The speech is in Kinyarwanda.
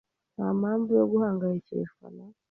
Nta mpamvu yo guhangayikishwa na .